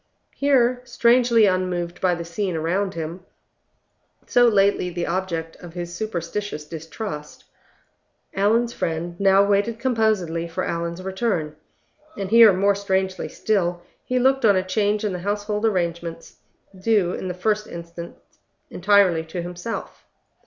Here, strangely unmoved by the scene around him, so lately the object of his superstitious distrust, Allan's friend now waited composedly for Allan's return; and here, more strangely still, he looked on a change in the household arrangements, due in the first instance entirely to himself.